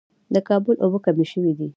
د کابل اوبه کمې شوې دي